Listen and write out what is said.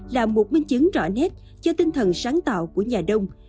là một minh chứng rõ nét cho tinh thần sáng tạo của nhà đông